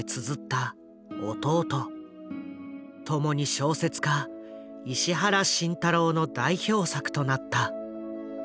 ともに小説家石原慎太郎の代表作となった。